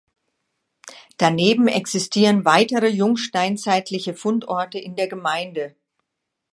Daneben existieren weitere jungsteinzeitliche Fundorte in der Gemeinde.